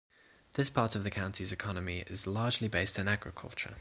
This part of the county's economy is largely based in agriculture.